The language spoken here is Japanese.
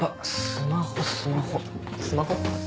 スマホ？